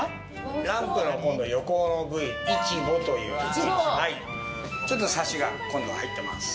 ランプの横の部位イチボというちょっとサシが入ってます。